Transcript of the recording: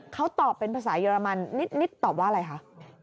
เขาตอบเป็นภาษาเยอรมันนิดตอบว่าอะไรคะ